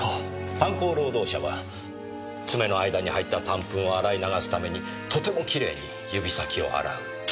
炭鉱労働者は爪の間に入った炭粉を洗い流すためにとてもきれいに指先を洗う。